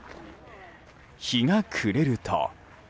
日が暮れると。